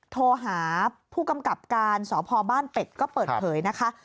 โทรหาผู้กำกับการสพบ้านเป็ดก็เปิดเผยนะคะ